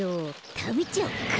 たべちゃおうか。